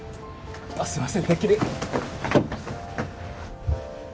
すいませんてっきり。